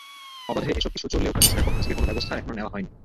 অবাধে এসব কিছু চললেও প্রশাসনের পক্ষ থেকে কোনো ব্যবস্থা এখনো নেওয়া হয়নি।